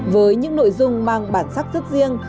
với những nội dung mang bản sắc rất riêng